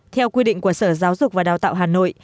theo quy định của sở giáo dục và đào tạo hà nội